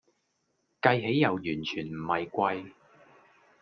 計起又完全唔係貴